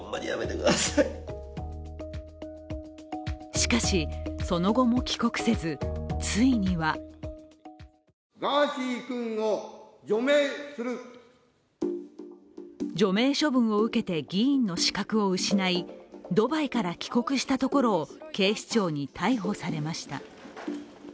しかし、その後も帰国せずついには除名処分を受けて議員の資格を失いドバイから帰国したところを警視庁に逮捕されました。